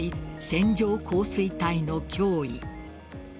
線状降水帯の脅威。